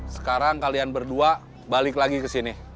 sekarang kalian berdua balik lagi ke sini